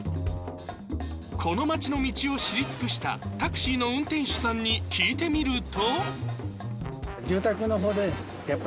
この街の道を知り尽くしたタクシーの運転手さんに聞いてみると。